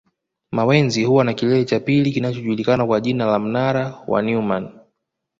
Mawenzi huwa na kilele cha pili kinachojulikana kwa jina la mnara wa Neumann